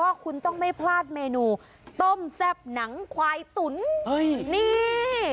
ว่าคุณต้องไม่พลาดเมนูต้มแซ่บหนังควายตุ๋นนี่